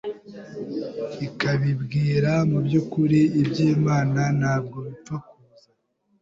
ikabimbwira mu byukuri iby’Imana ntabwo bipfa kuza,